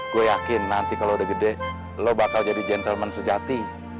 gue yakin nanti kalau udah gede lo bakal jadi gentleman sejati